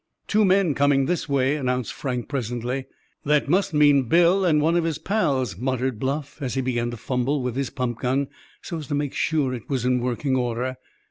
"Two men coming this way," announced Frank presently. "That must mean Bill, and one of his pals," muttered Bluff, as he began to fumble with his pump gun, so as to make sure it was in working order.